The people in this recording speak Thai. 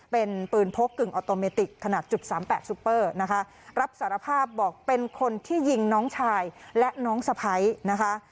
เป็นปืนพกกึ่งออโตเมติกขนาดจุดสามแปดซุปเปอร์นะคะรับสารภาพบอกเป็นคนที่ยิงน้องชายและน้องสะพ้ายนะคะ